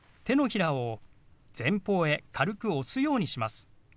手のひらを前方へ軽く押すようにします。